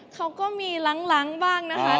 เขาก็มีล้างบ้างนะคะ